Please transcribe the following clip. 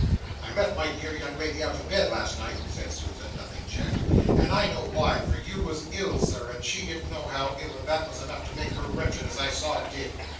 "I left my dear young lady out of bed late last night," said Susan, nothing checked, "and I knew why, for you was ill Sir and she didn't know how ill and that was enough to make her wretched as I saw it did.